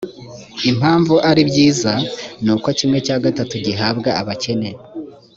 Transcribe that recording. impamvu ari byiza nuko kimwe cya gatatu gihabwa abakene